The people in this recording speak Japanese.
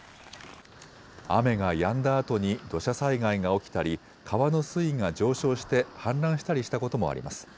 雨がやんだあとに土砂災害が起きたり、川の水位が上昇して氾濫したりしたこともあります。